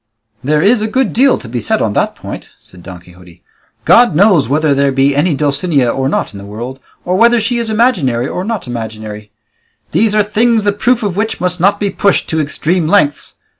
"There is a good deal to be said on that point," said Don Quixote; "God knows whether there be any Dulcinea or not in the world, or whether she is imaginary or not imaginary; these are things the proof of which must not be pushed to extreme lengths.